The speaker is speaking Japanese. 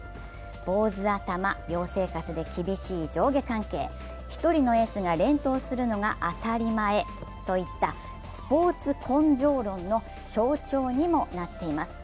坊主頭、寮生活で厳しい上下関係１人のエースが連投するのが当たり前といった、スポーツ根性論の象徴にもなっています。